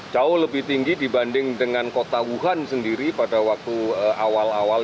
jauh lebih tinggi dibanding dengan kota wuhan sendiri pada waktu awal awal